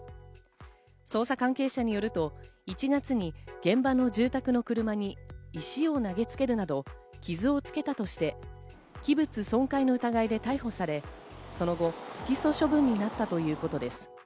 捜査関係者によると、１月に現場の住宅の車に石を投げつけるなど傷をつけたとして、器物損壊の疑いで逮捕され、その後不起訴処分になったということです。